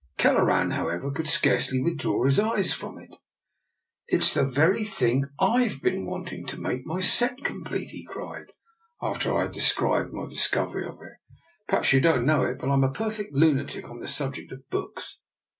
Kelleran, however, could scarcely withdraw his eyes from it. " It's the very thing IVe been wanting to make my set complete," he cried, after I had described my discovery of it. " Perhaps you don't know it, but I'm a perfect lunatic on the subject of books.